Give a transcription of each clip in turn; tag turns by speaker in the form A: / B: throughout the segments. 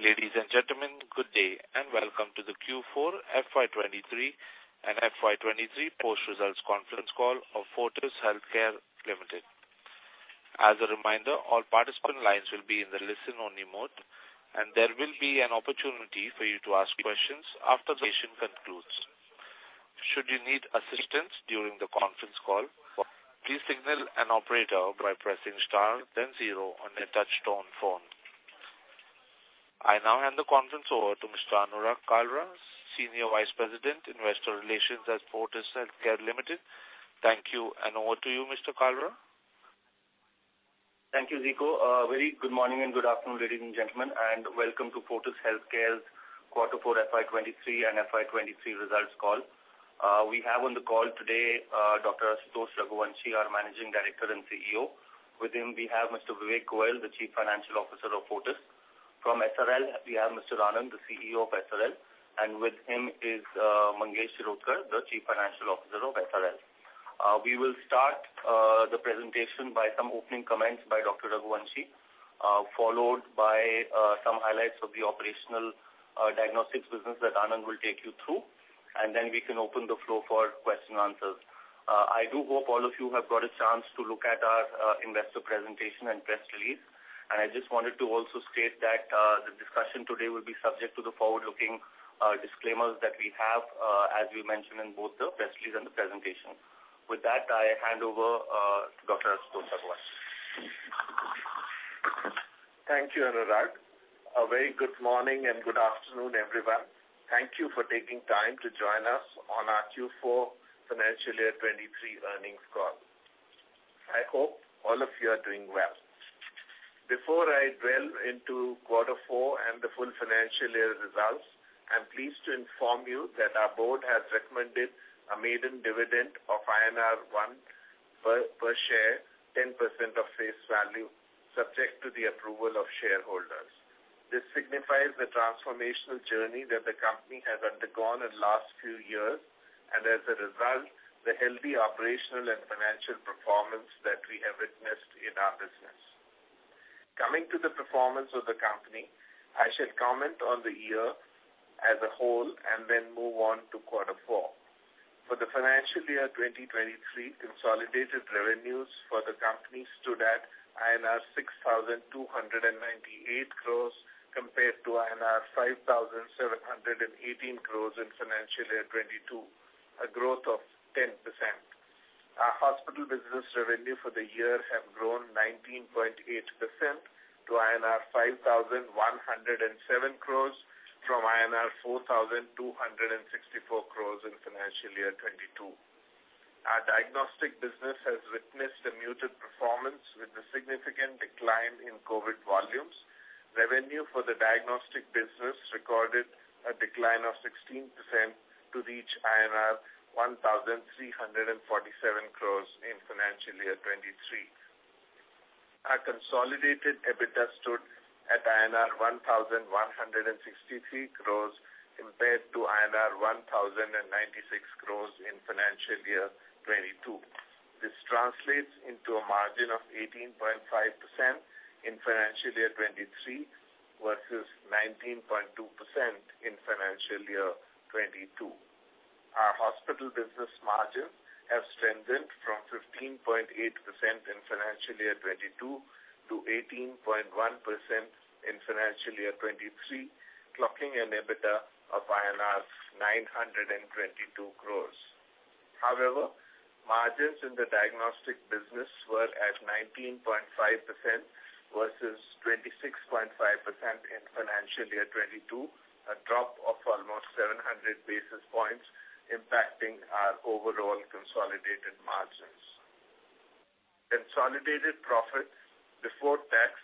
A: Ladies and gentlemen, good day, and welcome to the Q4 FY23 and FY23 post-results conference call of Fortis Healthcare Limited. As a reminder, all participant lines will be in the listen-only mode, and there will be an opportunity for you to ask questions after the session concludes. Should you need assistance during the conference call, please signal an operator by pressing star then zero on your touch-tone phone. I now hand the conference over to Mr. Anurag Kalra, Senior Vice President, Investor Relations at Fortis Healthcare Limited. Thank you, and over to you, Mr. Kalra.
B: Thank you, Zico. Very good morning and good afternoon, ladies and gentlemen, and welcome to Fortis Healthcare's Q4 FY23 and FY23 results call. We have on the call today, Dr. Ashutosh Raghuvanshi, our Managing Director and CEO. With him we have Mr. Vivek Goyal, the Chief Financial Officer of Fortis. From SRL, we have Mr. Anand, the CEO of SRL, and with him is Mangesh Shirodkar, the Chief Financial Officer of SRL. We will start the presentation by some opening comments by Dr. Raghuvanshi, followed by some highlights of the operational diagnostics business that Anand will take you through, and then we can open the floor for question and answers. I do hope all of you have got a chance to look at our investor presentation and press release. I just wanted to also state that, the discussion today will be subject to the forward-looking disclaimers that we have, as we mentioned in both the press release and the presentation. With that, I hand over to Dr. Ashutosh Raghuvanshi.
C: Thank you, Anurag. A very good morning and good afternoon, everyone. Thank you for taking time to join us on our Q4 financial year 2023 earnings call. I hope all of you are doing well. Before I delve into quarter four and the full financial year results, I'm pleased to inform you that our board has recommended a maiden dividend of INR 1 per share, 10% of face value, subject to the approval of shareholders. This signifies the transformational journey that the company has undergone in last few years, and as a result, the healthy operational and financial performance that we have witnessed in our business. Coming to the performance of the company, I shall comment on the year as a whole and then move on to quarter four. For the financial year 2023, consolidated revenues for the company stood at INR 6,298 crores compared to INR 5,718 crores in financial year 2022, a growth of 10%. Our hospital business revenue for the year have grown 19.8% to INR 5,107 crores from INR 4,264 crores in financial year 2022. Our diagnostic business has witnessed a muted performance with a significant decline in COVID volumes. Revenue for the diagnostic business recorded a decline of 16% to reach INR 1,347 crores in financial year 2023. Our consolidated EBITDA stood at INR 1,163 crores compared to INR 1,096 crores in financial year 2022. This translates into a margin of 18.5% in financial year 2023 versus 19.2% in financial year 2022. Our hospital business margin has strengthened from 15.8% in financial year 2022 to 18.1% in financial year 2023, clocking an EBITDA of INR 922 crores. Margins in the diagnostic business were at 19.5% versus 26.5% in financial year 2022, a drop of almost 700 basis points impacting our overall consolidated margins. Consolidated profit before tax,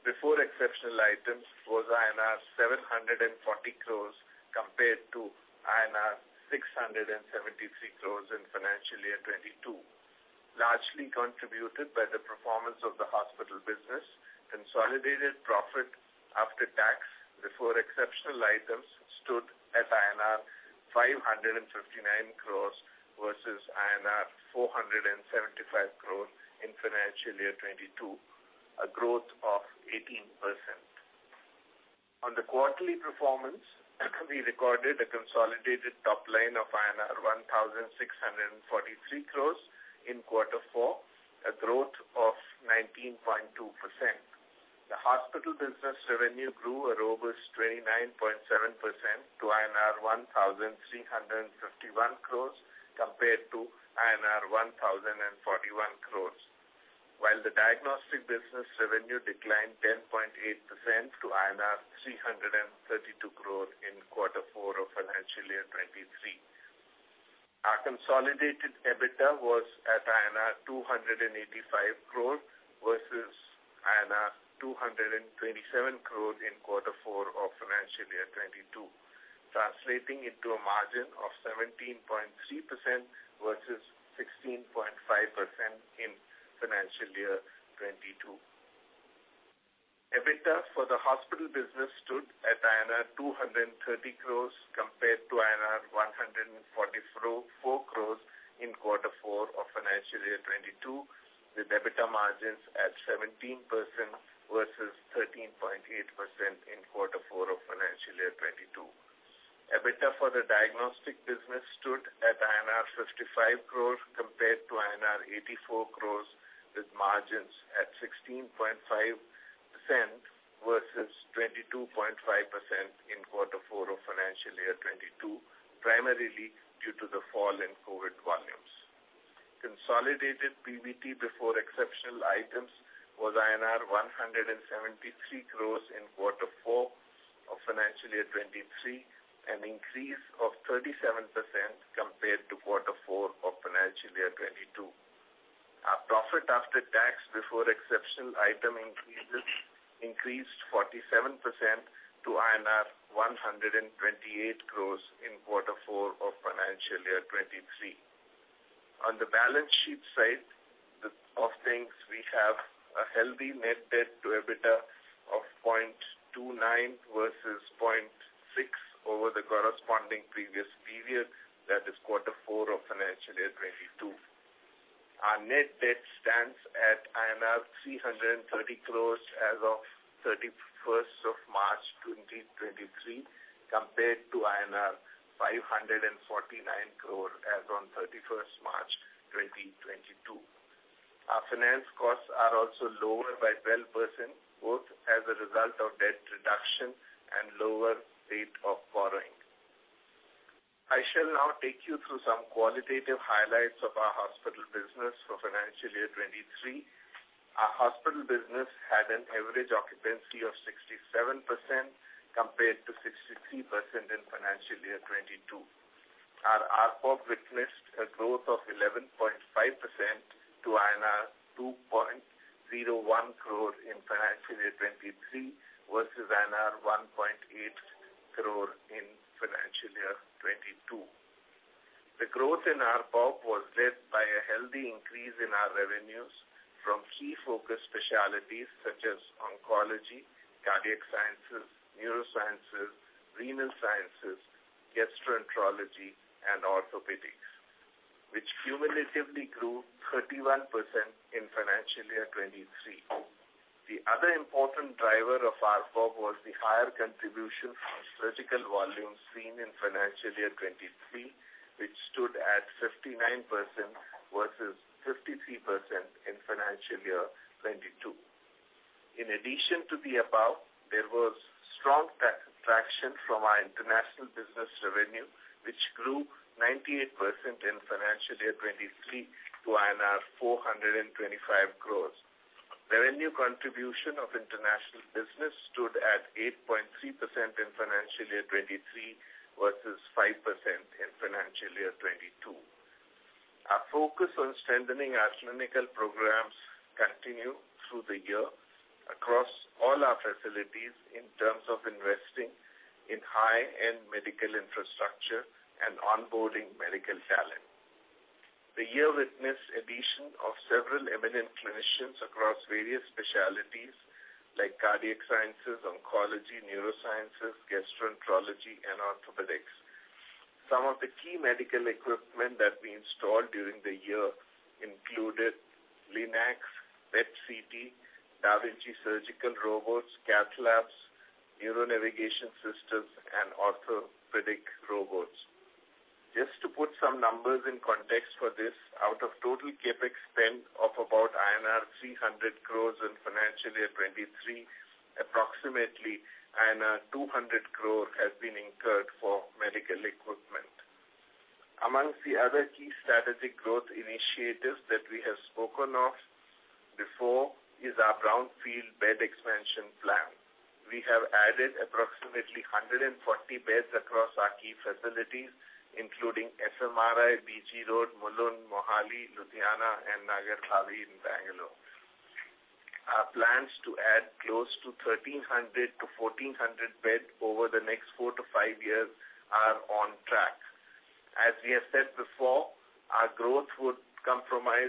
C: before exceptional items, was INR 740 crores compared to INR 673 crores in financial year 2022. Largely contributed by the performance of the hospital business, consolidated profit after tax before exceptional items stood at INR 559 crores versus INR 475 crores in financial year 2022, a growth of 18%. On the quarterly performance, we recorded a consolidated top line of INR 1,643 crores in quarter four, a growth of 19.2%. The hospital business revenue grew a robust 29.7% to INR 1,351 crores compared to INR 1,041 crores. The diagnostic business revenue declined 10.8% to INR 332 crore in quarter four of financial year 23. Our consolidated EBITDA was at INR 285 crores versus INR 227 crore in quarter four of financial year 2022, translating into a margin of 17.3% versus 16.5% in financial year 2022. EBITDA for the hospital business stood at INR 230 crores compared to INR 144 crores in quarter four of financial year 2022, with EBITDA margins at 17% versus 13.8% in quarter four of financial year 2022. EBITDA for the diagnostic business stood at INR 55 crores compared to INR 84 crores, with margins at 16.5% versus 22.5% in quarter four of financial year 2022, primarily due to the fall in COVID volumes. Consolidated PBT before exceptional items was INR 173 crores in quarter four of financial year 2023, an increase of 37% compared to quarter four of financial year 2022. Our profit after tax before exceptional item increased 47% to INR 128 crores in quarter four of financial year 2023. On the balance sheet side of things, we have a healthy net debt to EBITDA of 0.29 versus 0.6 over the corresponding previous period, that is quarter four of financial year 2022. Our net debt stands at 330 crores as of 31st of March 2023, compared to INR 549 crore as on 31st March 2022. Our finance costs are also lower by 12%, both as a result of debt reduction and lower rate of borrowing. I shall now take you through some qualitative highlights of our hospital business for financial year 2023. Our hospital business had an average occupancy of 67% compared to 63% in financial year 2022. Our ARPOP witnessed a growth of 11.5% to INR 2.01 crore in financial year 2023 versus INR 1.8 crore in financial year 2022. The growth in ARPOP was led by a healthy increase in our revenues from key focus specialties such as oncology, cardiac sciences, neurosciences, renal sciences, gastroenterology, and orthopedics, which cumulatively grew 31% in financial year 2023. The other important driver of ARPOP was the higher contribution from surgical volumes seen in financial year 2023, which stood at 59% versus 53% in financial year 2022. In addition to the above, there was strong traction from our international business revenue, which grew 98% in financial year 2023 to INR 425 crores. Revenue contribution of international business stood at 8.3% in financial year 2023 versus 5% in financial year 2022. Our focus on strengthening our clinical programs continued through the year across all our facilities in terms of investing in high-end medical infrastructure and onboarding medical talent. The year witnessed addition of several eminent clinicians across various specialties like cardiac sciences, oncology, neurosciences, gastroenterology, and orthopedics. Some of the key medical equipment that we installed during the year included LINACs, PET/CT, da Vinci surgical robots, cath labs, neuro navigation systems, and orthopedic robots. Just to put some numbers in context for this, out of total CapEx spend of about INR 300 crores in financial year 2023, approximately INR 200 crore has been incurred for medical equipment. Amongst the other key strategic growth initiatives that we have spoken of before is our brownfield bed expansion plan. We have added approximately 140 beds across our key facilities, including FMRI, BG Road, Mulund, Mohali, Ludhiana, and Nagarbhavi in Bangalore. Our plans to add close to 1,300-1,400 beds over the next 4 to 5 years are on track. As we have said before, our growth would comprise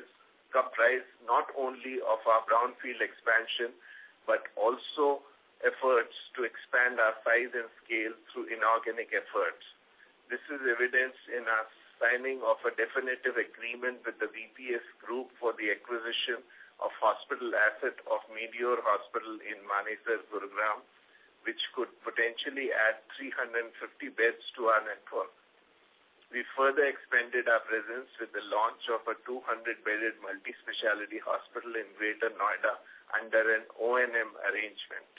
C: not only of our brownfield expansion, but also efforts to expand our size and scale through inorganic efforts. This is evidenced in our signing of a definitive agreement with the VPS Group for the acquisition of hospital asset of Medeor Hospital in Manesar, Gurgaon, which could potentially add 350 beds to our network. We further expanded our presence with the launch of a 200-bedded multi-specialty hospital in Greater Noida under an O&M arrangement.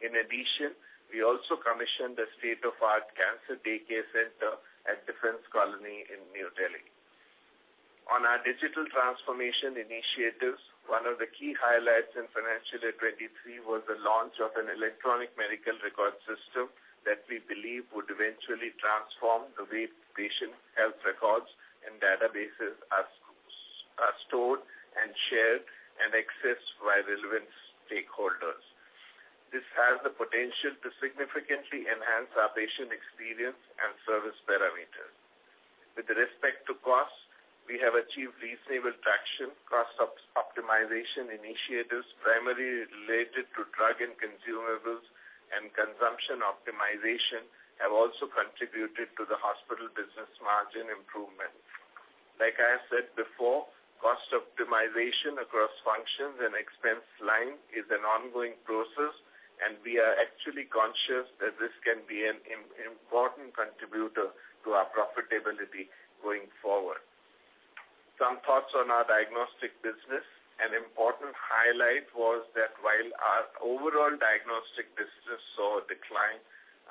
C: In addition, we also commissioned a state-of-the-art cancer daycare center at Defense Colony in New Delhi. On our digital transformation initiatives, one of the key highlights in financial year 2023 was the launch of an electronic medical record system that we believe would eventually transform the way patient health records and databases are stored and shared and accessed by relevant stakeholders. This has the potential to significantly enhance our patient experience and service parameters. With respect to costs, we have achieved reasonable traction. Cost optimization initiatives primarily related to drug and consumables and consumption optimization have also contributed to the hospital business margin improvement. Like I have said before, cost optimization across functions and expense line is an ongoing process, and we are actually conscious that this can be an important contributor to our profitability going forward. Some thoughts on our diagnostic business. An important highlight was that while our overall diagnostic business saw a decline,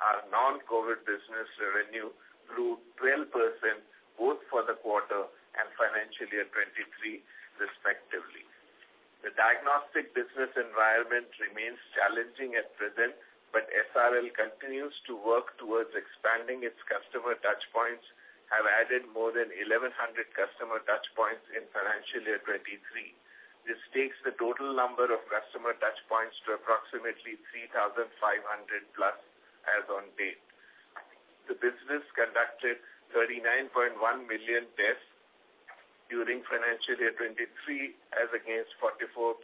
C: our non-COVID business revenue grew 12%, both for the quarter and financial year 23 respectively. The diagnostic business environment remains challenging at present, but SRL continues to work towards expanding its customer touchpoints, have added more than 1,100 customer touchpoints in financial year 23. This takes the total number of customer touchpoints to approximately 3,500+ as on date. The business conducted 39.1 million tests during financial year 2023, as against 44.2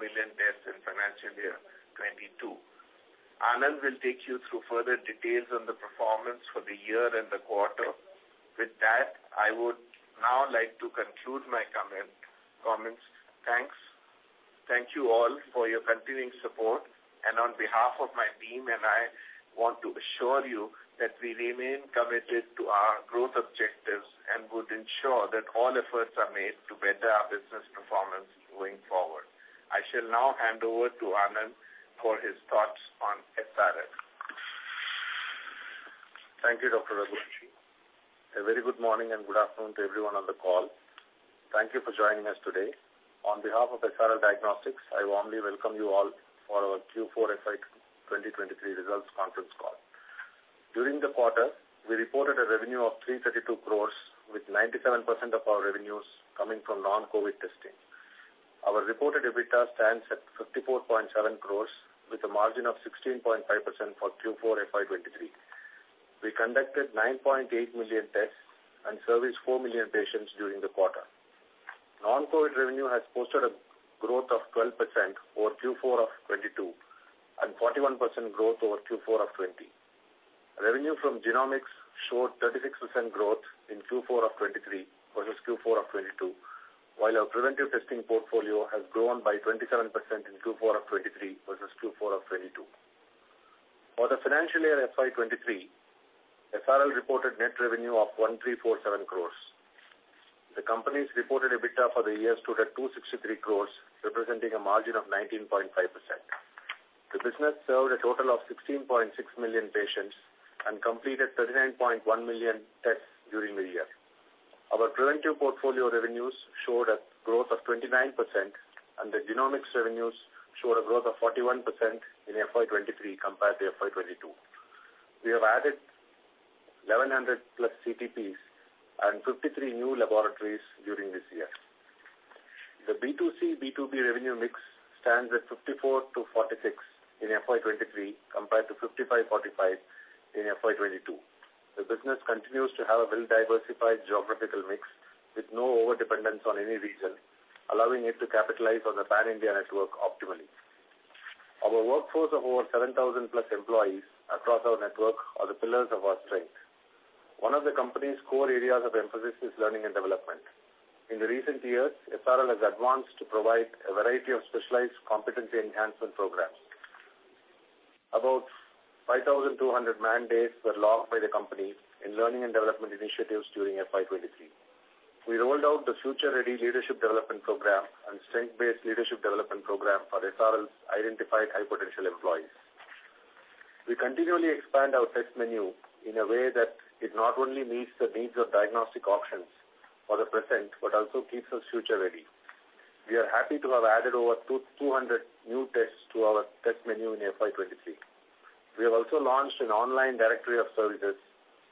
C: million tests in financial year 2022. Anand will take you through further details on the performance for the year and the quarter. With that, I would now like to conclude my comments. Thanks. Thank you all for your continuing support. On behalf of my team and I, want to assure you that we remain committed to our growth objectives and would ensure that all efforts are made to better our business performance going forward. I shall now hand over to Anand for his thoughts on SRL.
D: Thank you, Ashutosh Raghuvanshi. A very good morning and good afternoon to everyone on the call. Thank you for joining us today. On behalf of SRL Diagnostics, I warmly welcome you all for our Q4 FY 2023 results conference call. During the quarter, we reported a revenue of 332 crores, with 97% of our revenues coming from non-COVID testing. Our reported EBITDA stands at 54.7 crores with a margin of 16.5% for Q4 FY 2023. We conducted 9.8 million tests and serviced 4 million patients during the quarter. Non-COVID revenue has posted a growth of 12% over Q4 of 2022 and 41% growth over Q4 of 2020. Revenue from genomics showed 36% growth in Q4 of 2023 versus Q4 of 2022, while our preventive testing portfolio has grown by 27% in Q4 of 2023 versus Q4 of 2022. For the financial year FY 2023, SRL reported net revenue of 1,347 crores. The company's reported EBITDA for the year stood at 263 crores, representing a margin of 19.5%. The business served a total of 16.6 million patients and completed 39.1 million tests during the year. Our preventive portfolio revenues showed a growth of 29%, and the genomics revenues showed a growth of 41% in FY 2023 compared to FY 2022. We have added 1,100+ CTPs and 53 new laboratories during this year. The B2C, B2B revenue mix stands at 54 to 46 in FY 2023 compared to 55/45 in FY 2022. The business continues to have a well-diversified geographical mix with no overdependence on any region, allowing it to capitalize on the pan-India network optimally. Our workforce of over 7,000+ employees across our network are the pillars of our strength. One of the company's core areas of emphasis is learning and development. In the recent years, SRL has advanced to provide a variety of specialized competency enhancement programs. About 5,200 man days were logged by the company in learning and development initiatives during FY 2023. We rolled out the Future Ready Leadership Development Program and Strength-Based Leadership Development Program for SRL's identified high-potential employees. We continually expand our test menu in a way that it not only meets the needs of diagnostic options for the present, but also keeps us future ready. We are happy to have added over 200 new tests to our test menu in FY23. We have also launched an online directory of services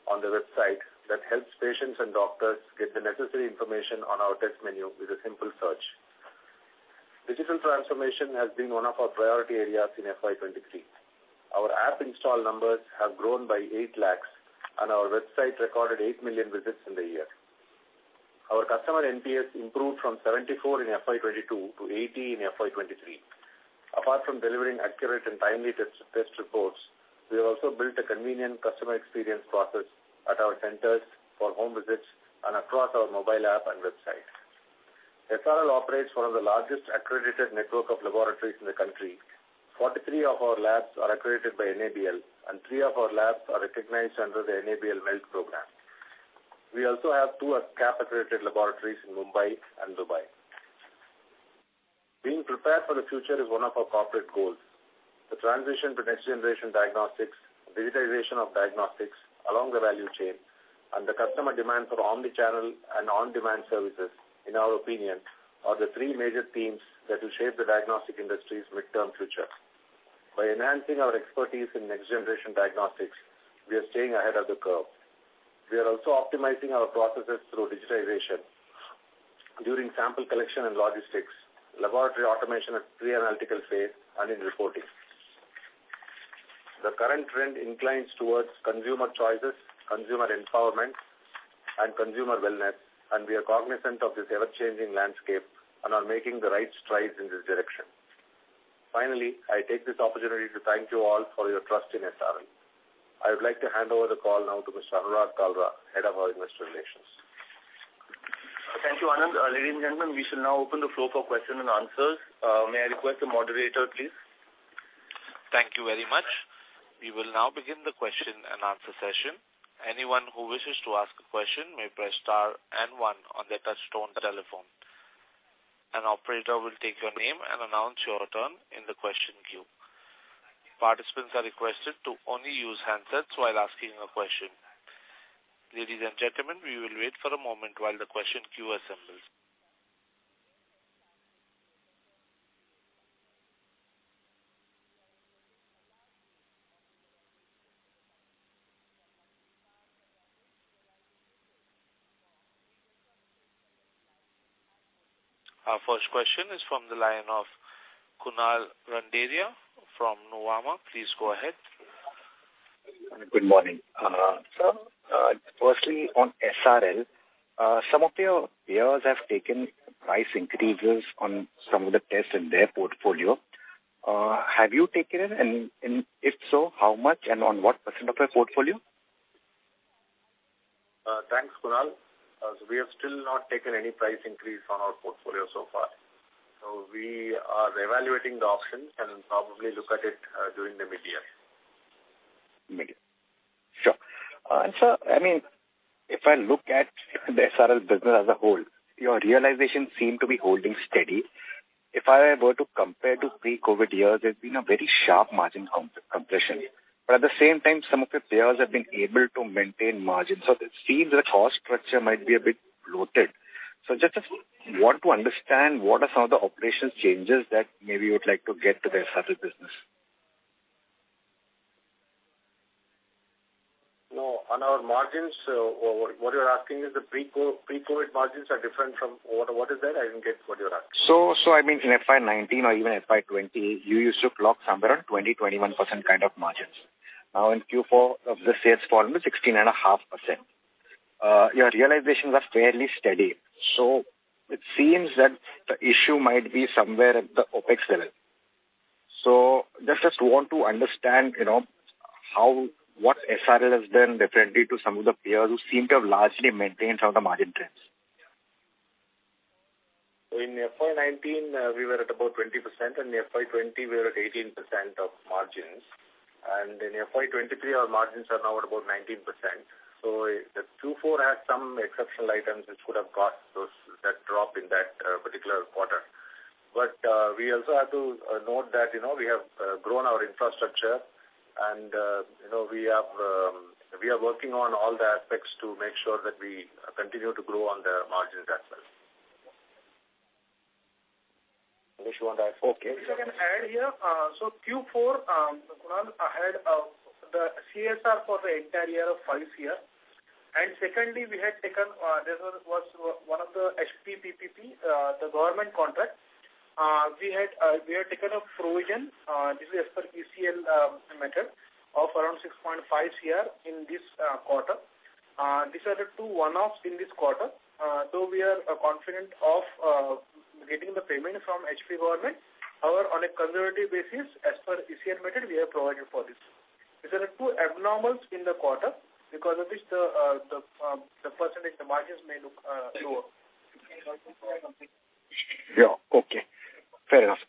D: on the website that helps patients and doctors get the necessary information on our test menu with a simple search. Digital transformation has been one of our priority areas in FY23. Our app install numbers have grown by 8 lakhs, and our website recorded 8 million visits in the year. Our customer NPS improved from 74 in FY22 to 80 in FY23. Apart from delivering accurate and timely test reports, we have also built a convenient customer experience process at our centers for home visits and across our mobile app and website. SRL operates one of the largest accredited network of laboratories in the country. 43 of our labs are accredited by NABL, and 3 of our labs are recognized under the NABL MELT Program. We also have 2 CAP-accredited laboratories in Mumbai and Dubai. Being prepared for the future is one of our corporate goals. The transition to next-generation diagnostics, digitalization of diagnostics along the value chain, and the customer demand for omni-channel and on-demand services, in our opinion, are the 3 major themes that will shape the diagnostic industry's midterm future. By enhancing our expertise in next-generation diagnostics, we are staying ahead of the curve. We are also optimizing our processes through digitization during sample collection and logistics, laboratory automation at pre-analytical phase, and in reporting. The current trend inclines towards consumer choices, consumer empowerment, and consumer wellness, and we are cognizant of this ever-changing landscape and are making the right strides in this direction. Finally, I take this opportunity to thank you all for your trust in SRL. I would like to hand over the call now to Mr. Anurag Kalra, Head of our Investor Relations.
B: Thank you, Anand. Ladies and gentlemen, we shall now open the floor for question and answers. May I request the moderator, please.
A: Thank you very much. We will now begin the question and answer session. Anyone who wishes to ask a question may press star and one on their touchtone telephone. An operator will take your name and announce your turn in the question queue. Participants are requested to only use handsets while asking a question. Ladies and gentlemen, we will wait for a moment while the question queue assembles. Our first question is from the line of Kunal Randeria from Nuvama. Please go ahead.
E: Good morning. sir, firstly, on SRL, some of your peers have taken price increases on some of the tests in their portfolio. Have you taken it? If so, how much, and on what % of your portfolio?
D: Thanks, Kunal. We have still not taken any price increase on our portfolio so far. We are evaluating the options and probably look at it during the mid-year.
E: Mid-year. Sure. sir, I mean, if I look at the SRL business as a whole, your realization seem to be holding steady. If I were to compare to pre-COVID years, there's been a very sharp margin compression. At the same time, some of your peers have been able to maintain margins. It seems that cost structure might be a bit bloated. just want to understand what are some of the operations changes that maybe you would like to get to the SRL business?
D: No. On our margins, what you're asking is the pre-COVID margins are different from. What is that? I didn't get what you're asking.
E: I mean, in FY19 or even FY20, you used to clock somewhere around 20%-21% kind of margins. Now, in Q4 of this year, it's fallen to 16.5%. Your realizations are fairly steady. Just want to understand, you know, what SRL has done differently to some of the peers who seem to have largely maintained some of the margin trends.
D: In FY 2019, we were at about 20%, and in FY 2020 we were at 18% of margins. In FY 2023, our margins are now at about 19%. The Q4 had some exceptional items which could have caused that drop in that particular quarter. We also have to note that, you know, we have grown our infrastructure and, you know, we are working on all the aspects to make sure that we continue to grow on the margins as well. I guess you want to add. Okay.
F: If I can add here. Q4, Kunal, I had the CSR for the entire year of 5 crore. Secondly, we had taken this was one of the HP PPP, the government contract. We had taken a provision, this is as per ECL method of around 6.5 crore in this quarter. These are the two one-offs in this quarter. Though we are confident of getting the payment from HP government. However, on a conservative basis, as per ECL method, we have provided for this. These are the two abnormals in the quarter because of which the percentage, the margins may look lower.
E: Yeah. Okay. Fair enough.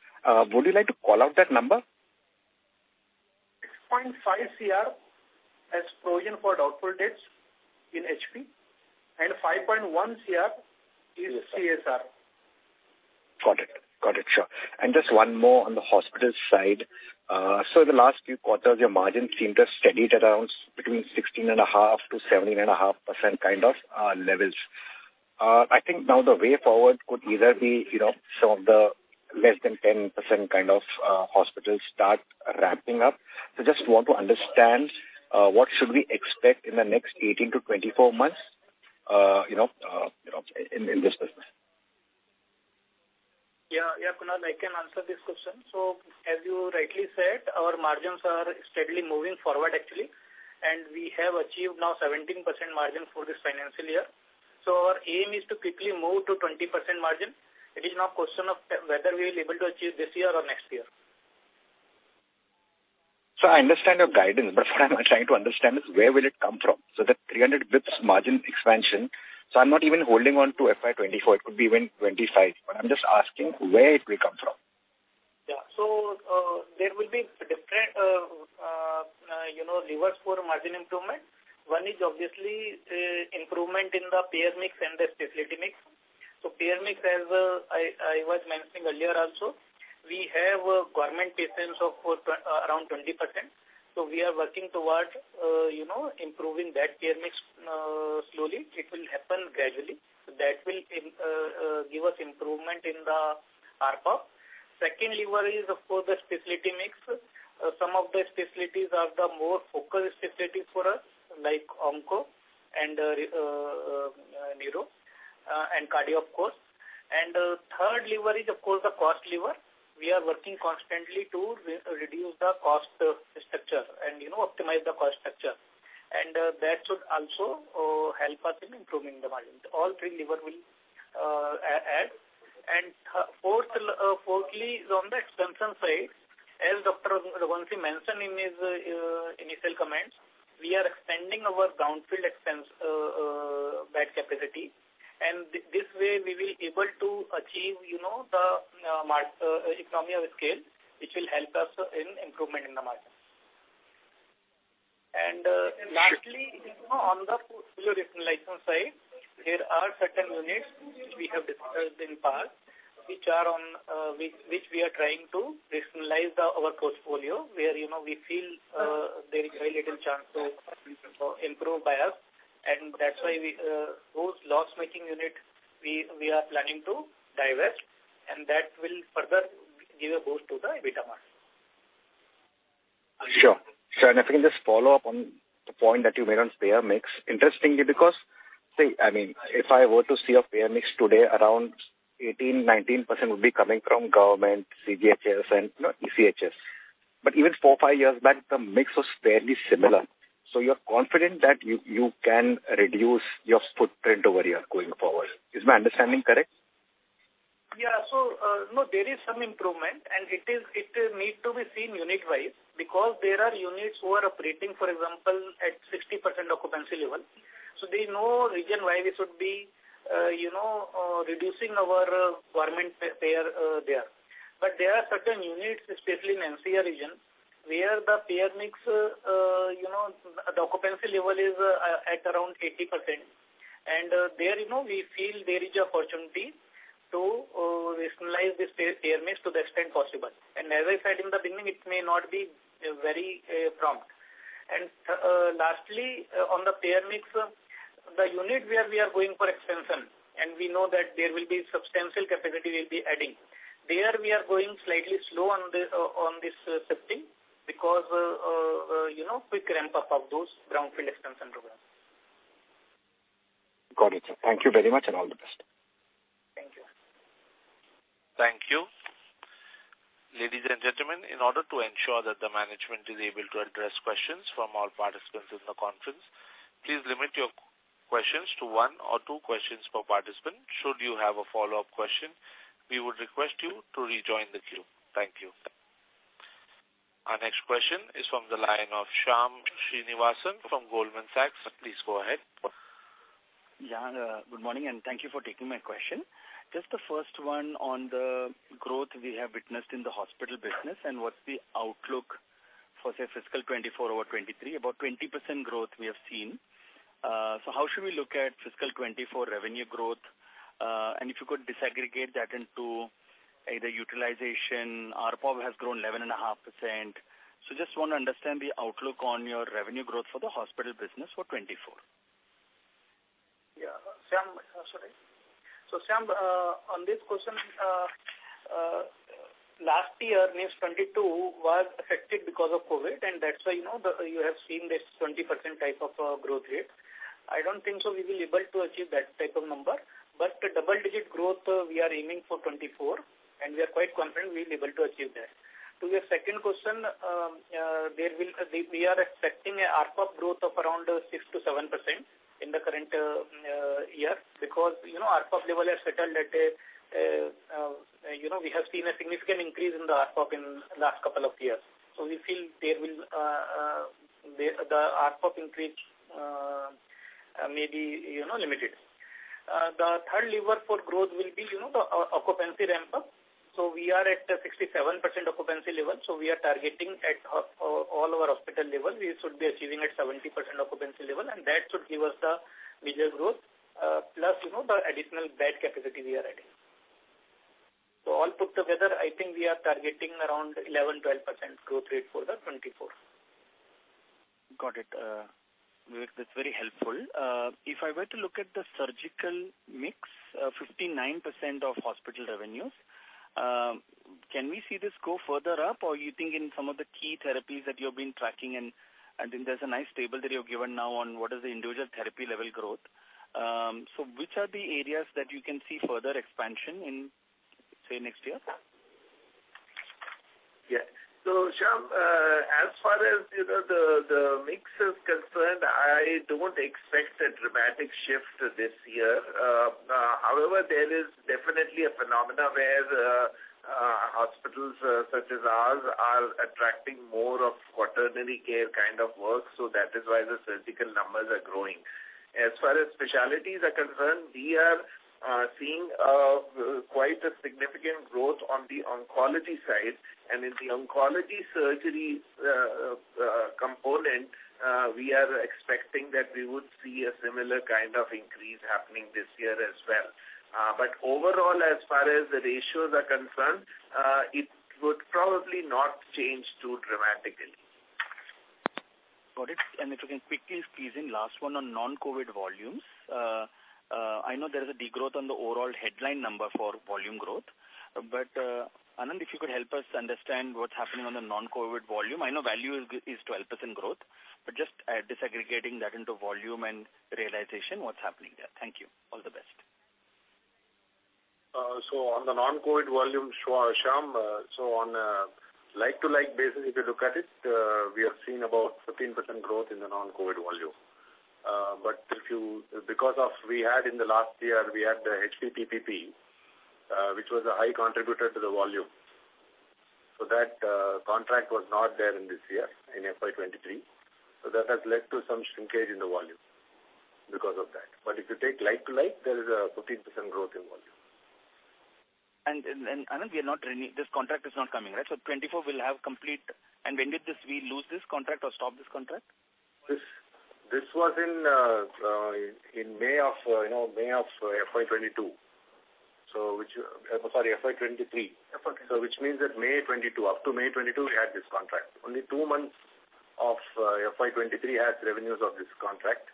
E: Would you like to call out that number?
F: 6.5 CR as Provision for Doubtful Debts in HP, and 5.1 CR is CSR.
E: And just one more on the hospital side, in the last few quarters, your margins seemed to have steadied around between 16.5%-17.5% kind of levels. I think now the way forward could either be, you know, some of the less than 10% kind of hospitals start ramping up. Just want to understand, what should we expect in the next 18-24 months, you know, in this business.
F: Yeah. Yeah, Kunal, I can answer this question. As you rightly said, our margins are steadily moving forward actually, and we have achieved now 17% margin for this financial year. Our aim is to quickly move to 20% margin. It is now a question of whether we will able to achieve this year or next year.
E: I understand your guidance, but what I'm trying to understand is where will it come from? That 300 basis points margin expansion, so I'm not even holding on to FY 2024, it could be even 2025. I'm just asking where it will come from?
F: Yeah. There will be different, you know, levers for margin improvement. One is obviously, improvement in the payer mix and the specialty mix. Payer mix, as I was mentioning earlier also, we have government patients of course around 20%. We are working towards, you know, improving that payer mix slowly. It will happen gradually. That will give us improvement in the ARPOB. Second lever is of course the specialty mix. Some of the specialties are the more focused specialty for us, like onco and neuro and cardio, of course. The third lever is of course the cost lever. We are working constantly to reduce the cost structure and, you know, optimize the cost structure. That should also help us in improving the margin. All three lever will add. Fourth, fourthly is on the expansion side. As Dr. Raghuvanshi mentioned in his initial comments, we are expanding our brownfield expansion bed capacity. This way we will able to achieve, you know, the economy of scale, which will help us in improvement in the margin. Lastly, you know, on the portfolio rationalization side, there are certain units which we have discussed in past, which are on which we are trying to rationalize our portfolio, where, you know, we feel there is very little chance to improve by us. That's why we those loss-making unit, we are planning to divest, and that will further give a boost to the EBITDA margin.
E: Sure. Sure. If we can just follow up on the point that you made on payer mix. Interestingly, because, say, I mean, if I were to see a payer mix today, around 18%, 19% would be coming from government, CGHS and, you know, ECHS. Even 4, 5 years back, the mix was fairly similar. You're confident that you can reduce your footprint over here going forward. Is my understanding correct?
F: Yeah. No, there is some improvement, and it need to be seen unit-wise because there are units who are operating, for example, at 60% occupancy level. There's no reason why we should be, you know, reducing our government payer there. There are certain units, especially in NCR region, where the payer mix, you know, the occupancy level is at around 80%. There, you know, we feel there is opportunity to rationalize this payer mix to the extent possible. As I said in the beginning, it may not be very prompt. Lastly, on the payer mix, the unit where we are going for expansion, and we know that there will be substantial capacity we'll be adding. There we are going slightly slow on the, on this, shifting because, you know, quick ramp up of those brownfield expansion programs.
E: Got it, sir. Thank you very much and all the best.
F: Thank you.
A: Thank you. Ladies and gentlemen, in order to ensure that the management is able to address questions from all participants in the conference, please limit your questions to one or two questions per participant. Should you have a follow-up question, we would request you to rejoin the queue. Thank you. Our next question is from the line of Shyam Srinivasan from Goldman Sachs. Please go ahead.
G: Yeah. Good morning, and thank you for taking my question. Just the first one on the growth we have witnessed in the hospital business and what's the outlook for, say, fiscal 2024 over 2023? About 20% growth we have seen. How should we look at fiscal 2024 revenue growth? If you could disaggregate that into either utilization, ARPOB has grown 11.5%. Just wanna understand the outlook on your revenue growth for the hospital business for 2024?
F: Yeah. Shyam, sorry. Shyam, on this question, last year, means 2022, was affected because of COVID, and that's why, you know, you have seen this 20% type of growth rate. I don't think so we will able to achieve that type of number. A double-digit growth, we are aiming for 2024, and we are quite confident we'll be able to achieve that. To your second question, We are expecting a ARPOB growth of around 6%-7% in the current year because, you know, ARPOB level has settled at a, you know, we have seen a significant increase in the ARPOB in last couple of years. We feel there will, the ARPOB increase, maybe, you know, limited. The third lever for growth will be, you know, the occupancy ramp up. We are at a 67% occupancy level, so we are targeting at all our hospital level, we should be achieving at 70% occupancy level, and that should give us the major growth, plus, you know, the additional bed capacity we are adding. All put together, I think we are targeting around 11%-12% growth rate for 2024.
G: Got it. Vivek, that's very helpful. If I were to look at the surgical mix, 59% of hospital revenues, can we see this go further up? You think in some of the key therapies that you've been tracking and then there's a nice table that you've given now on what is the individual therapy level growth. Which are the areas that you can see further expansion in, say, next year?
C: Yeah. Shyam, as far as, you know, the mix is concerned, I don't expect a dramatic shift this year. However, there is definitely a phenomena where hospitals such as ours are attracting more of quaternary care kind of work, so that is why the surgical numbers are growing. As far as specialties are concerned, we are seeing quite a significant growth on the oncology side. In the oncology surgery component, we are expecting that we would see a similar kind of increase happening this year as well. Overall, as far as the ratios are concerned, it would probably not change too dramatically.
G: Got it. If you can quickly squeeze in last one on non-COVID volumes. I know there is a degrowth on the overall headline number for volume growth. Anand, if you could help us understand what's happening on the non-COVID volume. I know value is 12% growth, but just disaggregating that into volume and realization, what's happening there? Thank you. All the best.
D: On the non-COVID volume, Shyam, on a like-to-like basis, if you look at it, we have seen about 15% growth in the non-COVID volume. Because of we had in the last year, we had the HP PPP, which was a high contributor to the volume. That contract was not there in this year, in FY23. That has led to some shrinkage in the volume because of that. If you take like-to-like, there is a 15% growth in volume.
G: Anand, we are not this contract is not coming, right? 2024 will have complete. When did we lose this contract or stop this contract?
D: This was in May of, you know, May of FY 22, which, sorry, FY 23. Which means that May 2022, up to May 2022, we had this contract. Only two months of FY23 has revenues of this contract,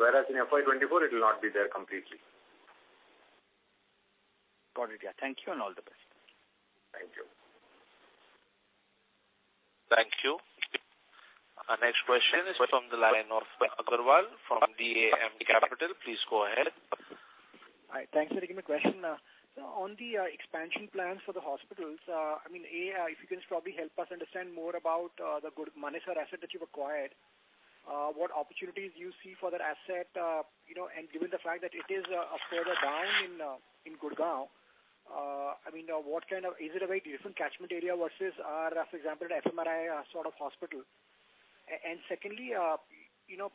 D: whereas in FY24, it will not be there completely.
G: Got it. Yeah. Thank you, and all the best.
D: Thank you.
A: Thank you. Our next question is from the line of Agarwal from DAM Capital. Please go ahead.
H: Hi. Thanks for taking my question. On the expansion plans for the hospitals, I mean, A, if you can just probably help us understand more about the Manesar asset that you've acquired, what opportunities you see for that asset, you know, and given the fact that it is a further down in Gurgaon, I mean, Is it a very different catchment area versus, for example, an FMRI sort of hospital? Secondly, you know,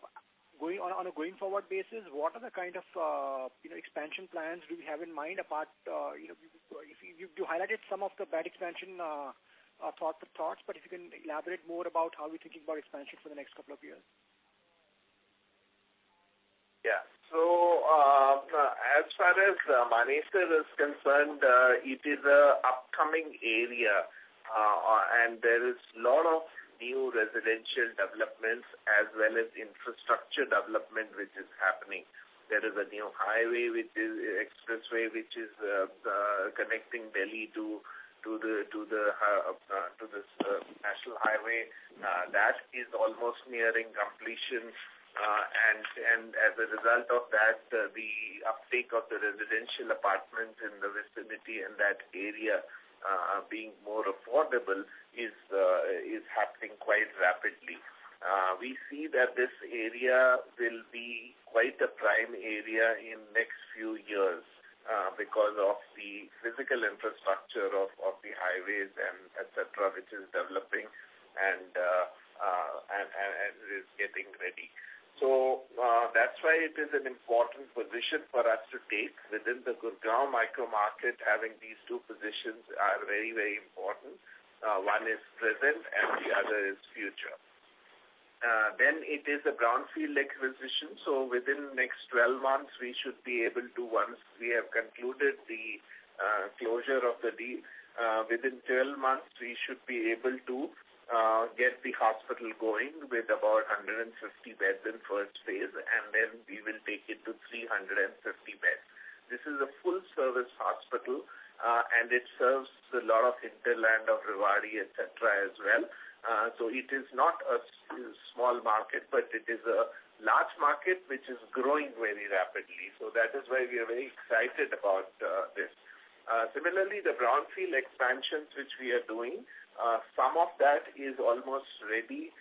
H: on a going forward basis, what are the kind of, you know, expansion plans do we have in mind apart, you know, you highlighted some of the bed expansion thoughts, but if you can elaborate more about how we're thinking about expansion for the next couple of years.
C: As far as Manesar is concerned, it is a upcoming area, and there is lot of new residential developments as well as infrastructure development which is happening. There is a new highway, which is expressway, which is connecting Delhi to the national highway. That is almost nearing completion. As a result of that, the uptake of the residential apartments in the vicinity in that area, being more affordable is happening quite rapidly. We see that this area will be quite a prime area in next few years, because of the physical infrastructure of the highways and et cetera, which is developing and is getting ready. That's why it is an important position for us to take within the Gurgaon micro market, having these two positions are very important. One is present and the other is future. It is a brownfield acquisition. Once we have concluded the closure of the deal, within 12 months, we should be able to get the hospital going with about 150 beds in first phase, we will take it to 350 beds. This is a full service hospital, it serves a lot of hinterland of Rewari, et cetera, as well. It is not a small market, it is a large market which is growing very rapidly. That is why we are very excited about this. Similarly, the brownfield expansions which we are doing, some of that is almost ready.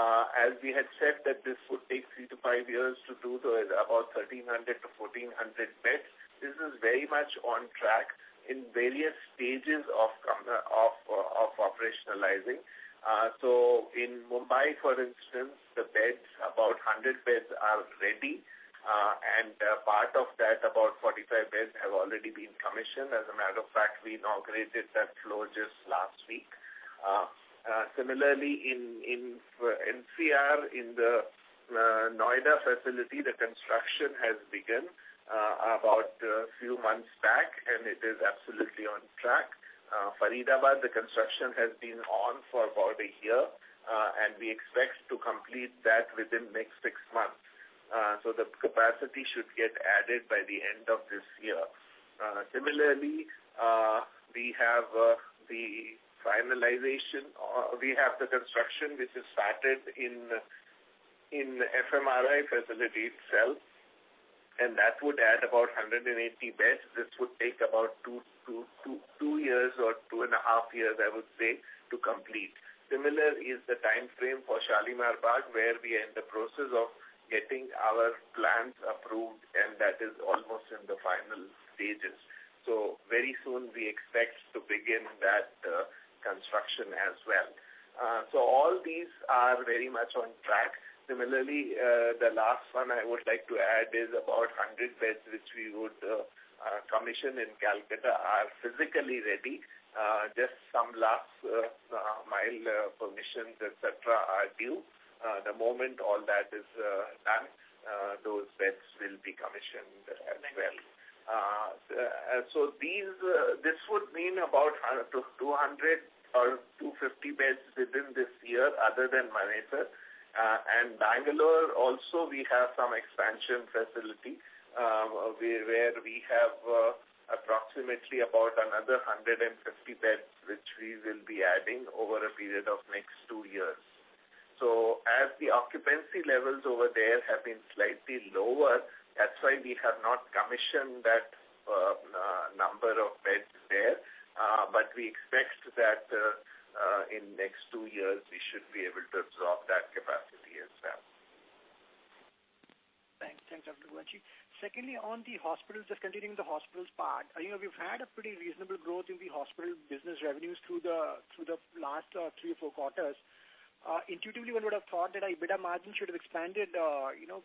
C: As we had said that this would take 3 to 5 years to do the about 1,300 to 1,400 beds. This is very much on track in various stages of operationalizing. So in Mumbai, for instance, the beds, about 100 beds are ready, and part of that, about 45 beds have already been commissioned. As a matter of fact, we inaugurated that floor just last week. Similarly, in NCR, in the Noida facility, the construction has begun about a few months back, and it is absolutely on track. Faridabad, the construction has been on for about a year, and we expect to complete that within next 6 months. The capacity should get added by the end of this year. Similarly, we have the finalization or we have the construction which is started in FMRI facility itself, and that would add about 180 beds. This would take about 2 years or 2 and a half years, I would say, to complete. Similar is the timeframe for Shalimar Bagh where we are in the process of getting our plans approved, and that is almost in the final stages. Very soon we expect to begin that construction as well. All these are very much on track. Similarly, the last one I would like to add is about 100 beds, which we would commission in Kolkata are physically ready. Just some last mile permissions, et cetera, are due. The moment all that is done, those beds will be commissioned as well. These, this would mean about a 200 or 250 beds within this year other than Manesar. Bangalore also, we have some expansion facility, where we have, approximately about another 150 beds, which we will be adding over a period of next 2 years. As the occupancy levels over there have been slightly lower, that's why we have not commissioned that number of beds there. We expect that in next two years we should be able to absorb that capacity as well.
H: Thanks. Thanks, Dr. Raghuvanshi. On the hospitals, just continuing the hospitals part, you know, we've had a pretty reasonable growth in the hospital business revenues through the, through the last, three or four quarters. Intuitively one would have thought that EBITDA margin should have expanded, you know,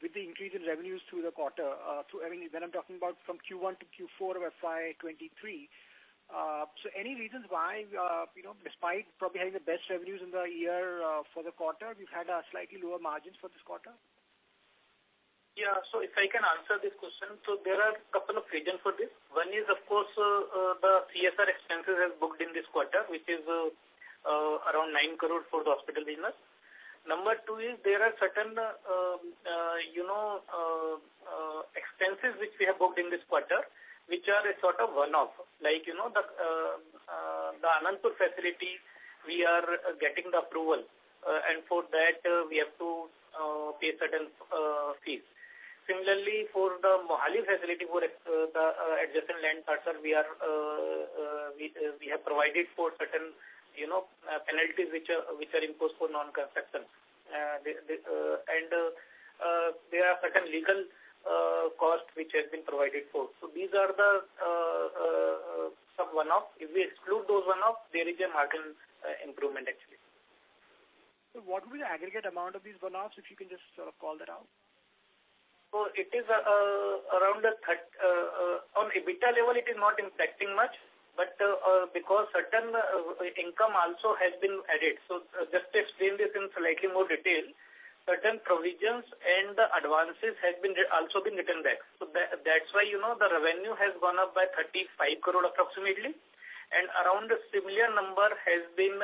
H: with the increase in revenues through the quarter. Through, I mean, when I'm talking about from Q1 to Q4 of FY2023. Any reasons why, you know, despite probably having the best revenues in the year, for the quarter, we've had, slightly lower margins for this quarter?
F: If I can answer this question. There are a couple of reasons for this. One is of course, the CSR expenses as booked in this quarter, which is around 9 crore for the hospital business. Number two is there are certain, you know, expenses which we have booked in this quarter, which are a sort of one-off. Like, you know, the Anandapur facility we are getting the approval, and for that, we have to pay certain fees. Similarly, for the Mohali facility, the adjacent land parcel, we have provided for certain, you know, penalties which are imposed for non-construction. There are certain legal costs which has been provided for these are the some one-off. If we exclude those one-off, there is a margin improvement actually.
H: What will the aggregate amount of these one-offs, if you can just call that out?
F: It is around on EBITDA level it is not impacting much, because certain income also has been added. Just explain this in slightly more detail. Certain provisions and advances have also been written back. That's why, you know, the revenue has gone up by 35 crore approximately, and around a similar number has been,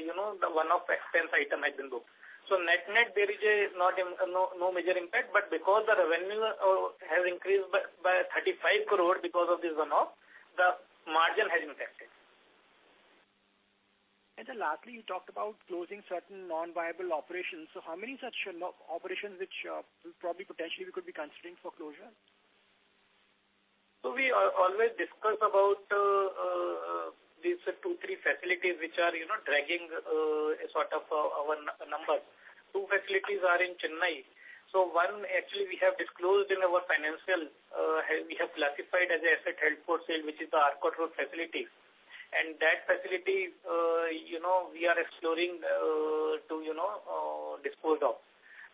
F: you know, the one-off expense item has been booked. Net-net there is no major impact, but because the revenue has increased by 35 crore because of this one-off, the margin has been impacted.
H: Lastly, you talked about closing certain non-viable operations. How many such operations which, probably potentially we could be considering for closure?
F: We always discuss about these two, three facilities which are, you know, dragging sort of our numbers. Two facilities are in Chennai. One actually we have disclosed in our financial, we have classified as asset held for sale, which is the Arcot Road facility. That facility, you know, we are exploring to, you know, dispose off.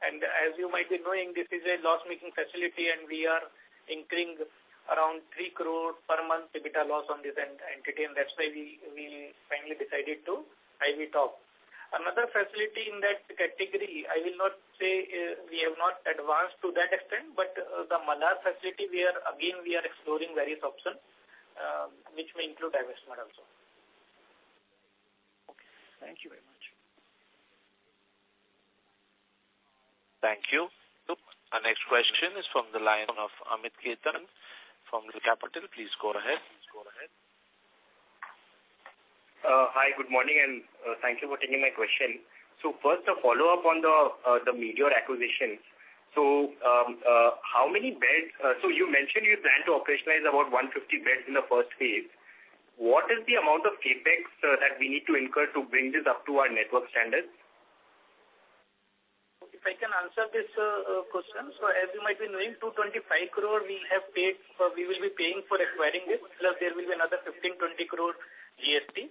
F: As you might be knowing, this is a loss-making facility, and we are incurring around 3 crores per month EBITDA loss on this entity, and that's why we finally decided to hive it off. Another facility in that category, I will not say, we have not advanced to that extent, but the Malar facility, we are again exploring various options, which may include divestment also.
H: Okay. Thank you very much.
A: Thank you. Our next question is from the line of Amit Khetan from Laburnum Capital. Please go ahead.
I: Hi, good morning, and thank you for taking my question. First a follow-up on the Medeor acquisition. How many beds... you mentioned you plan to operationalize about 150 beds in the first phase. What is the amount of CapEx that we need to incur to bring this up to our network standards?
F: If I can answer this question. As you might be knowing, 225 crore we have paid, or we will be paying for acquiring this, plus there will be another 15 crore-20 crore GST.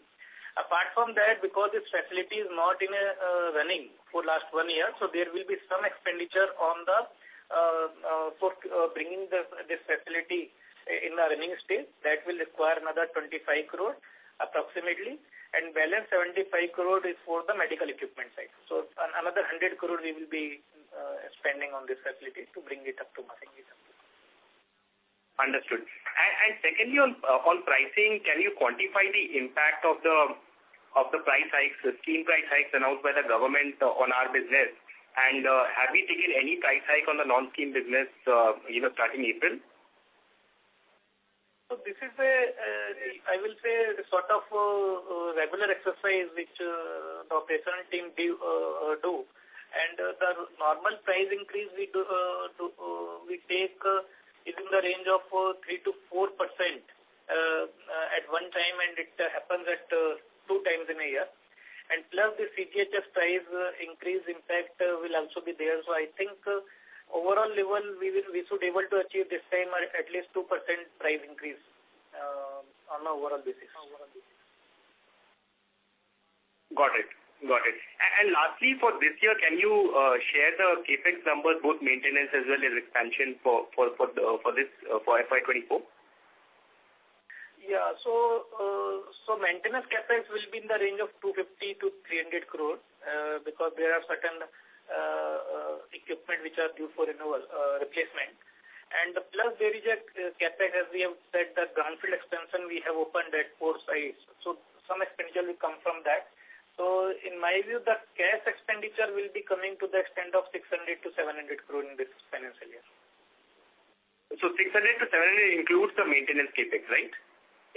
F: Apart from that, because this facility is not running for last one year, so there will be some expenditure on the for bringing the facility in a running state. That will require another 25 crore approximately, and balance 75 crore is for the medical equipment side. Another 100 crore we will be spending on this facility to bring it up to
I: Understood. Secondly, on pricing, can you quantify the impact of the price hikes, the scheme price hikes announced by the government on our business? Have we taken any price hike on the non-scheme business, you know, starting April?
F: This is a, I will say, a sort of regular exercise which the operational team do. The normal price increase we do to we take is in the range of 3%-4% at one time, and it happens at two times in a year. Plus the CGHS price increase impact will also be there. I think overall level we will, we should able to achieve this time or at least 2% price increase on a overall basis.
I: Got it. Lastly, for this year, can you share the CapEx numbers, both maintenance as well as expansion for this for FY 24?
F: Yeah. Maintenance CapEx will be in the range of 250 crore-300 crore because there are certain equipment which are due for renewal, replacement. Plus there is a CapEx, as we have said, the Greenfield expansion we have opened at 4 sites. Some expenditure will come from that. In my view, the cash expenditure will be coming to the extent of 600 crore-700 crore in this financial year.
I: 600-700 includes the maintenance CapEx, right?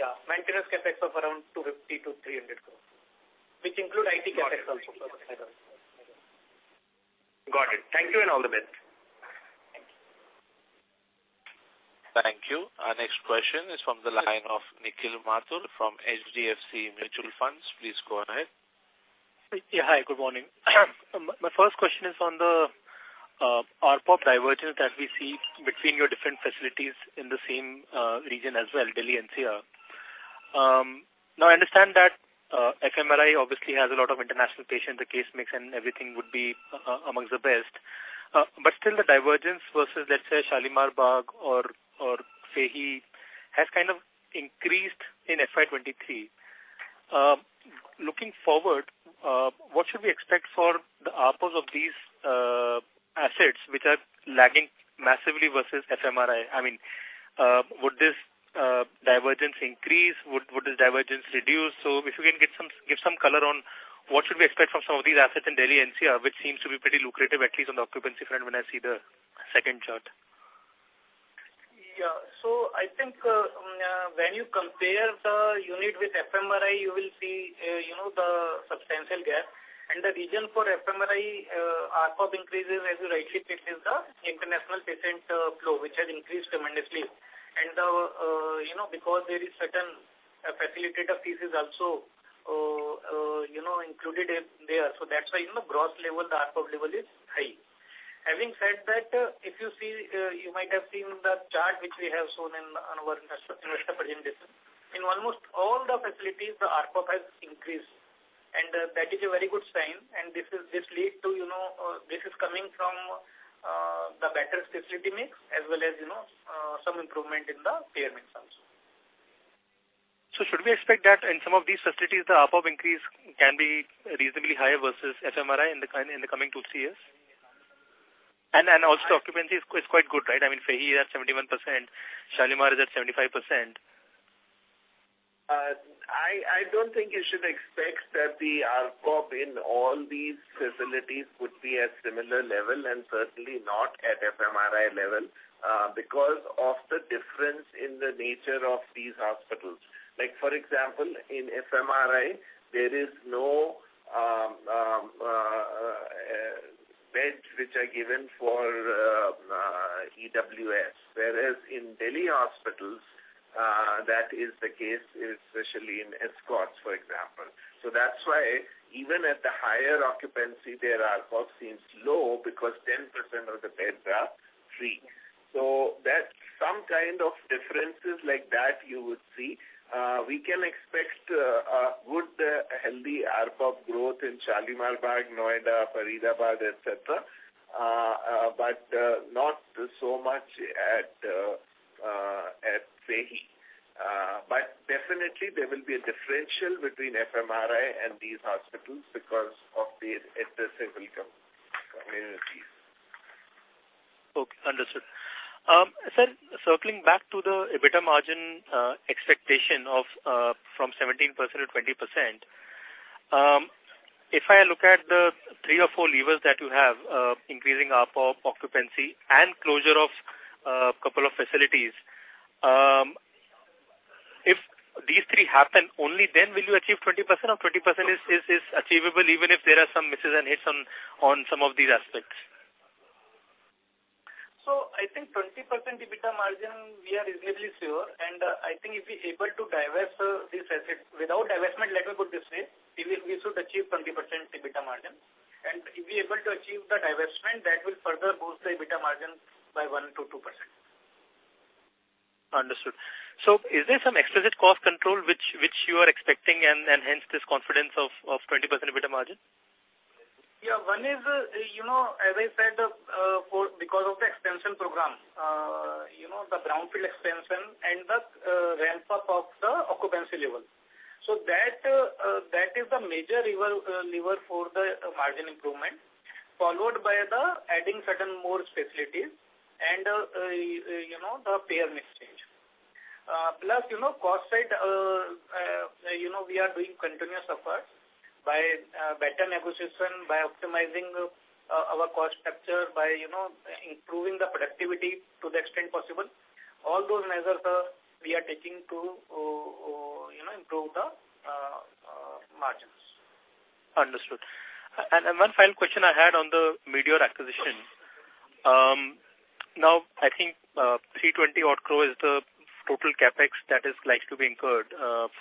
F: Yeah. Maintenance CapEx of around 250 crore-300 crore, which include IT CapEx also.
I: Got it. Thank you, and all the best.
F: Thank you.
A: Thank you. Our next question is from the line of Nikhil Mathur from HDFC Mutual Fund. Please go ahead.
J: Hi, good morning. My first question is on the ARPO divergence that we see between your different facilities in the same region as well, Delhi NCR. Now I understand that FMRI obviously has a lot of international patients. The case mix and everything would be amongst the best. But still the divergence versus, let's say, Shalimar Bagh or Fortis Escorts Heart Institute has kind of increased in FY23. Looking forward, what should we expect for the ARPOs of these assets which are lagging massively versus FMRI? I mean, would this divergence increase? Would this divergence reduce? If you can give some color on what should we expect from some of these assets in Delhi NCR, which seems to be pretty lucrative, at least on the occupancy front when I see the second chart.
F: I think, when you compare the unit with FMRI, you will see, you know, the substantial gap. The reason for FMRI ARPO increases, as you rightly said, is the international patient flow, which has increased tremendously. Because there is certain facilitator fees is also, you know, included in there. That's why in the gross level, the ARPO level is high. Having said that, if you see, you might have seen the chart which we have shown in, on our investor presentation. In almost all the facilities, the ARPO has increased. That is a very good sign. This lead to, you know, this is coming from the better specialty mix as well as, you know, some improvement in the payer mix also.
J: Should we expect that in some of these facilities, the ARPO increase can be reasonably higher versus FMRI in the coming 2-3 years? Also, occupancy is quite good, right? I mean, FEHI is at 71%, Shalimar is at 75%.
C: I don't think you should expect that the ARPO in all these facilities would be at similar level, and certainly not at FMRI level, because of the difference in the nature of these hospitals. Like, for example, in FMRI, there is no beds which are given for EWS. Whereas in Delhi hospitals, that is the case, especially in Escorts, for example. That's why even at the higher occupancy there, ARPO seems low because 10% of the beds are free. That's some kind of differences like that you would see. We can expect a good healthy ARPO growth in Shalimar Bagh, Noida, Faridabad, et cetera. Not so much at FEHI. Definitely there will be a differential between FMRI and these hospitals because of the addressing communities.
J: Okay. Understood. Sir, circling back to the EBITDA margin expectation of from 17% to 20%. If I look at the three or four levers that you have, increasing ARPO, occupancy, and closure of couple of facilities, if these three happen, only then will you achieve 20% or 20% is achievable even if there are some misses and hits on some of these aspects?
F: I think 20% EBITDA margin we are reasonably sure, and I think if we're able to divest these assets. Without divestment, let me put this way, we should achieve 20% EBITDA margin. If we're able to achieve the divestment, that will further boost the EBITDA margin by 1%-2%.
J: Understood. Is there some explicit cost control which you are expecting and hence this confidence of 20% EBITDA margin?
F: Yeah. One is, you know, as I said, because of the expansion program, you know, the brownfield expansion and the ramp up of the occupancy level. That, that is the major lever for the margin improvement, followed by the adding certain more facilities and, you know, the payer mix change. Plus, you know, cost side, you know, we are doing continuous efforts by better negotiation, by optimizing our cost structure, by, you know, improving the productivity to the extent possible. All those measures, we are taking to, you know, improve the margins.
J: Understood. One final question I had on the Medeor acquisition. Now I think, 320 odd crore is the total CapEx that is likely to be incurred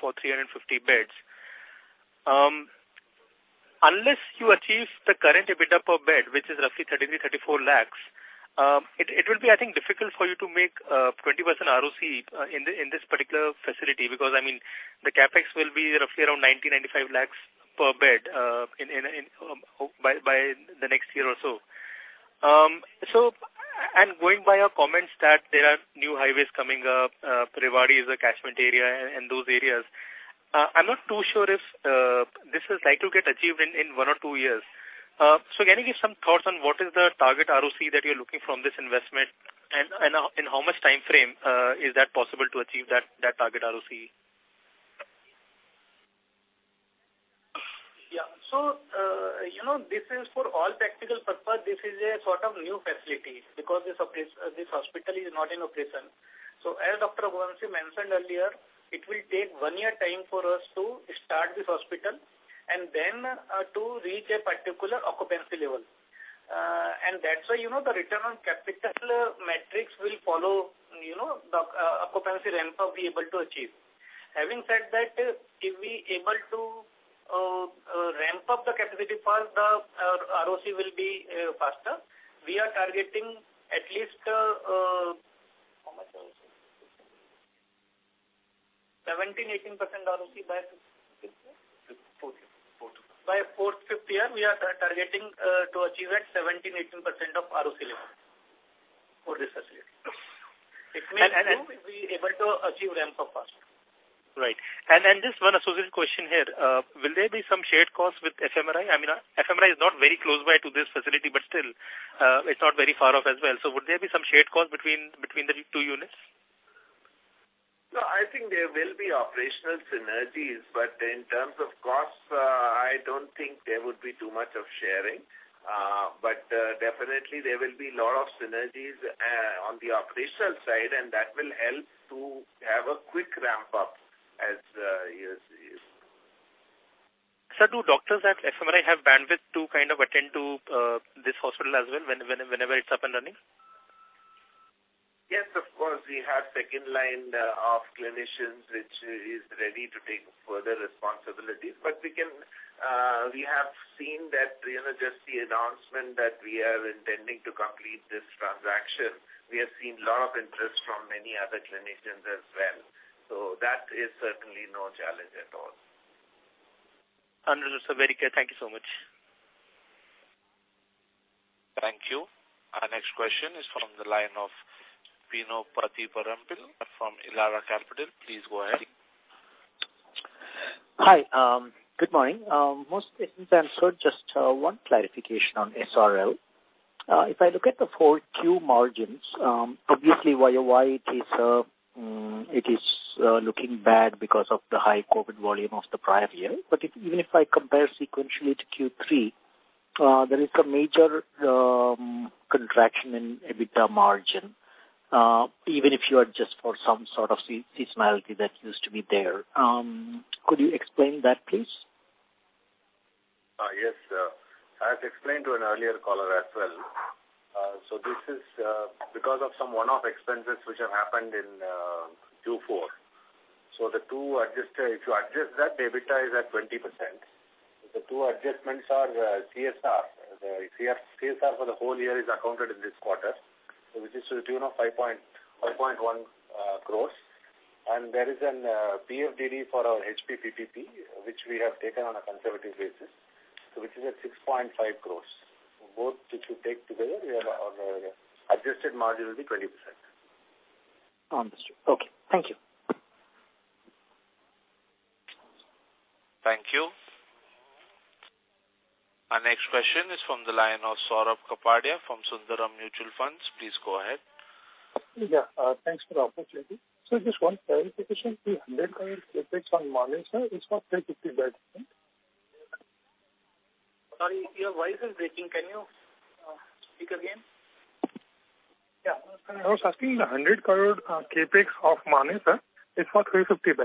J: for 350 beds. Unless you achieve the current EBITDA per bed, which is roughly 33 lakh-34 lakh, it will be, I think, difficult for you to make 20% ROC in this particular facility because, I mean, the CapEx will be roughly around 90 lakh-95 lakh per bed in the next year or so. Going by your comments that there are new highways coming up, Faridabad is a catchment area and those areas, I'm not too sure if this is likely to get achieved in one or two years. Can you give some thoughts on what is the target ROC that you're looking from this investment and in how much time frame is that possible to achieve that target ROC?
F: You know, this is for all practical purpose, this is a sort of new facility because this hospital is not in operation. As Dr. Raghuvanshi mentioned earlier, it will take one year time for us to start this hospital and then to reach a particular occupancy level. That's why, you know, the return on capital metrics will follow, you know, the occupancy ramp up we're able to achieve. Having said that, if we able to ramp up the capacity for the ROC will be faster. We are targeting at least.
D: How much ROC?
F: 17%, 18% ROC by fourth, fifth year, we are targeting to achieve at 17%, 18% of ROC level for this facility. It means too we'll be able to achieve ramp up faster.
J: Right. Just one associated question here. Will there be some shared costs with FMRI? I mean, FMRI is not very close by to this facility, but still, it's not very far off as well. Would there be some shared costs between the two units?
C: I think there will be operational synergies. In terms of costs, I don't think there would be too much of sharing. Definitely there will be lot of synergies on the operational side, and that will help to have a quick ramp up as years is.
J: Do doctors at FMRI have bandwidth to kind of attend to, this hospital as well whenever it's up and running?
C: Yes, of course. We have second line of clinicians which is ready to take further responsibilities. We have seen that, you know, just the announcement that we are intending to complete this transaction, we have seen lot of interest from many other clinicians as well. That is certainly no challenge at all.
H: Understood, sir. Very clear. Thank you so much.
A: Thank you. Our next question is from the line of Bino Pathiparampil from Elara Capital. Please go ahead.
K: Hi. Good morning. Most items answered. Just one clarification on SRL. If I look at the 4 Q margins, obviously YOY it is, it is looking bad because of the high COVID volume of the prior year. Even if I compare sequentially to Q3, there is a major contraction in EBITDA margin, even if you adjust for some sort of seasonality that used to be there. Could you explain that please?
D: Yes. I had explained to an earlier caller as well. This is because of some one-off expenses which have happened in Q4. The two if you adjust that, the EBITDA is at 20%. The two adjustments are CSR. The CSR for the whole year is accounted in this quarter. Which is to the tune of 5.1 crores. And there is a PFD for our HP PPP, which we have taken on a conservative basis. Which is at 6.5 crores. Both if you take together, you have adjusted margin will be 20%.
K: Understood. Okay. Thank you.
A: Thank you. Our next question is from the line of Saurabh Kapadia from Sundaram Mutual Fund. Please go ahead.
L: Yeah. Thanks for the opportunity. Just one clarification. The 100 crore CapEx on Manesar is for 350 beds?
F: Sorry, your voice is breaking. Can you speak again?
L: Yeah. I was asking the 100 crore CapEx of Manesar is for 350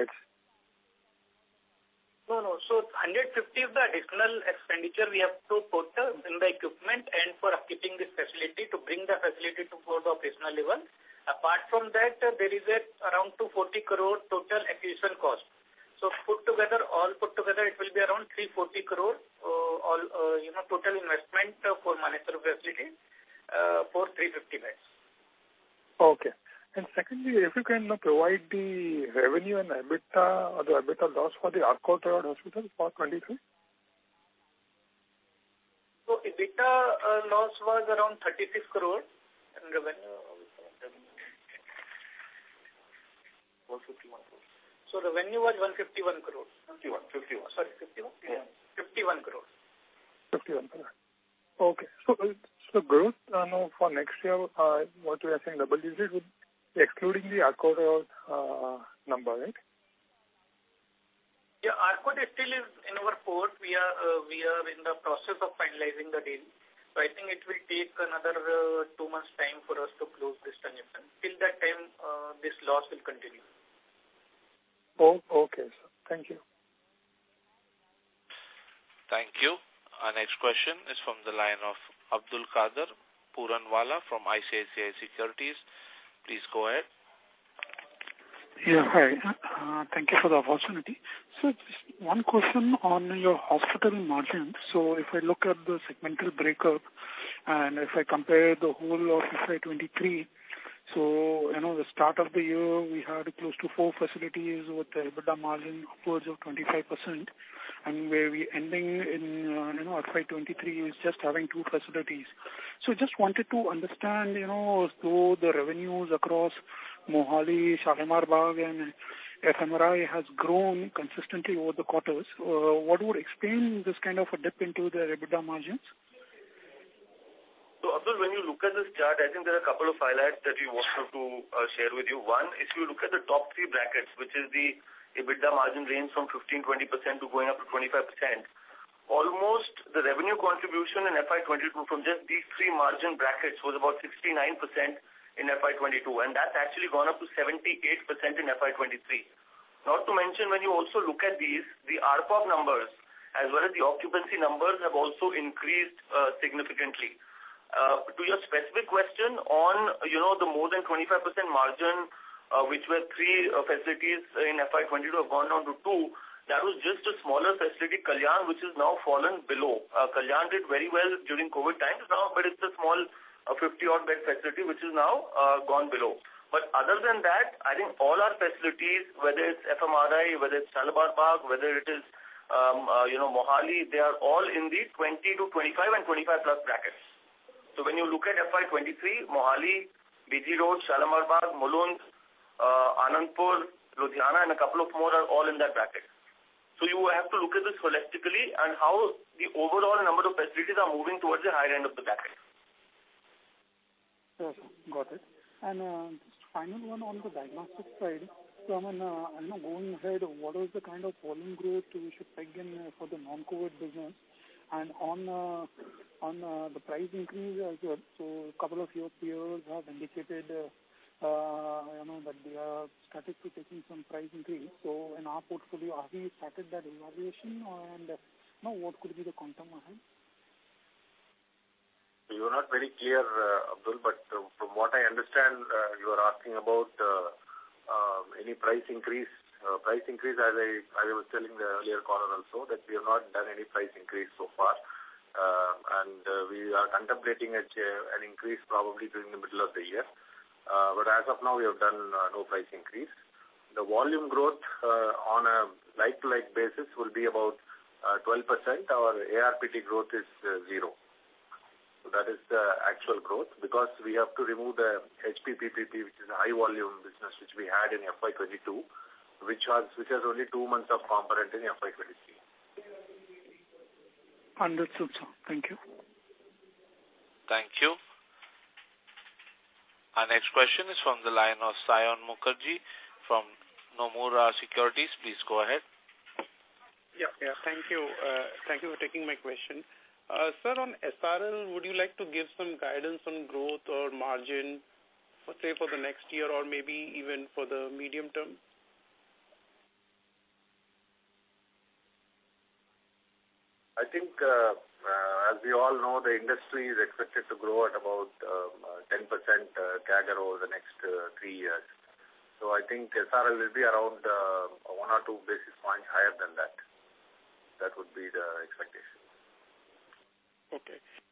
L: beds.
F: No, no. 150 is the additional expenditure we have to put in the equipment and for upkeeping this facility to bring the facility to full operational level. Apart from that, there is around 240 crore total acquisition cost. All put together it will be around 340 crore, all, you know, total investment for Manesar facility for 350 beds.
L: Okay. Secondly, if you can now provide the revenue and EBITDA or the EBITDA loss for the Arcot Hospital for 2023.
F: EBITDA loss was around 36 crore. The revenue was 151 crores. Sorry, 51?
C: Yeah.
F: 51 crores.
L: Okay. Growth now for next year, what you are saying double digit would excluding the Arcot number, right?
F: Yeah. Arcot still is in our port. We are in the process of finalizing the deal. I think it will take another two months' time for us to close this transaction. Till that time, this loss will continue.
L: Oh, okay, sir. Thank you.
A: Thank you. Our next question is from the line of Abdulkader Puranwala from ICICI Securities. Please go ahead.
M: Yeah, hi. Thank you for the opportunity. Just one question on your hospital margin. If I look at the segmental breakup, and if I compare the whole of FY 2023, I know the start of the year we had close to 4 facilities with EBITDA margin upwards of 25%. Where we ending in, you know, FY 2023 is just having 2 facilities. Just wanted to understand, you know, through the revenues across Mohali, Shalimar Bagh and FMRI has grown consistently over the quarters. What would explain this kind of a dip into the EBITDA margin?
B: Abdul, when you look at this chart, I think there are a couple of highlights that we want to share with you. One, if you look at the top 3 brackets, which is the EBITDA margin range from 15, 20% to going up to 25%. Almost the revenue contribution in FY 2022 from just these 3 margin brackets was about 69% in FY 2022, and that's actually gone up to 78% in FY 2023. Not to mention, when you also look at these, the ARPOB numbers as well as the occupancy numbers have also increased significantly. To your specific question on, you know, the more than 25% margin, which were 3 facilities in FY 2022 have gone down to 2. That was just a smaller facility, Kalyan, which has now fallen below. Kalyan did very well during COVID times now, but it's a small, 50-odd bed facility which is now gone below. Other than that, I think all our facilities, whether it's FMRI, whether it's Shalimar Bagh, whether it is, you know, Mohali, they are all in the 20-25 and 25+ brackets. When you look at FY 2023, Mohali, BG Road, Shalimar Bagh, Mulund, Anandapur, Ludhiana, and a couple of more are all in that bracket. You have to look at this holistically and how the overall number of facilities are moving towards the higher end of the bracket.
M: Sure. Got it. Just final one on the diagnostic side. I mean, you know, going ahead, what is the kind of volume growth we should peg in for the non-COVID business? On, on the price increase as well. A couple of your peers have indicated, I know that they are starting to taking some price increase. In our portfolio, have we started that evaluation and, you know, what could be the quantum ahead?
D: You're not very clear, Abdul, but from what I understand, you are asking about any price increase. Price increase, as I was telling the earlier caller also that we have not done any price increase so far. We are contemplating an increase probably during the middle of the year. As of now we have done no price increase. The volume growth on a like-to-like basis will be about 12%. Our ARPT growth is 0. That is the actual growth because we have to remove the HP PPP, which is a high volume business which we had in FY 2022, which has only 2 months of component in FY 2023.
M: Understood, sir. Thank you.
B: Thank you. Our next question is from the line of Saion Mukherjee from Nomura Securities. Please go ahead.
N: Yeah. Thank you. Thank you for taking my question. Sir, on SRL, would you like to give some guidance on growth or margin, let's say, for the next year or maybe even for the medium term?
D: I think, as we all know, the industry is expected to grow at about 10% CAGR over the next 3 years. I think SRL will be around 1 or 2 basis points higher than that. That would be the expectation.
N: Okay.